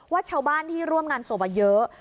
ว่าชาวบ้านที่ร่วมงานสวบเยอะ